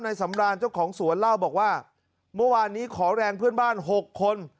สำราญเจ้าของสวนเล่าบอกว่าเมื่อวานนี้ขอแรงเพื่อนบ้าน๖คน